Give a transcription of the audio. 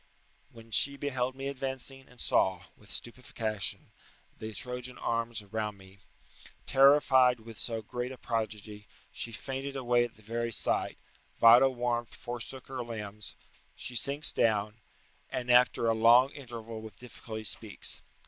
["When she beheld me advancing, and saw, with stupefaction, the Trojan arms around me, terrified with so great a prodigy, she fainted away at the very sight: vital warmth forsook her limbs: she sinks down, and, after a long interval, with difficulty speaks."